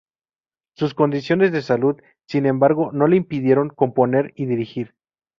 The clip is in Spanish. Sus condiciones de salud, sin embargo, no le impidieron componer y dirigir.